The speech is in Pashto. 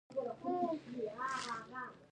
دا په اوبو، نورمونو، کړنو او ارزښتونو کې توپیرونه دي.